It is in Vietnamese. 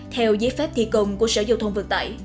theo giấy phép thi công của sở giao thông vận tải